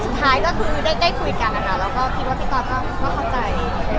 สุดท้ายก็คือได้คุยกันนะคะแล้วก็คิดว่าพี่ตอสก็เข้าใจ